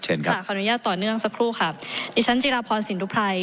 เชิญครับขออนุญาตต่อเนื่องสักครู่ค่ะดิฉันจิลภรณ์สินทุพราย